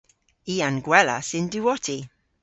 I a'n gwelas y'n diwotti.